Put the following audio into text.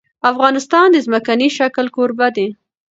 افغانستان د ځمکنی شکل کوربه دی.